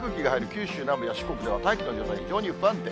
九州南部や四国では、大気の状態非常に不安定。